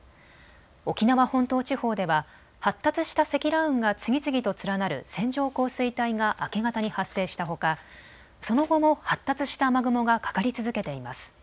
沖縄本島地方では発達した積乱雲が次々と連なる線状降水帯が明け方に発生したほかその後も発達した雨雲がかかり続けています。